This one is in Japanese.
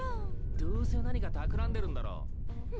どうせ何かたくらんでるんだろ。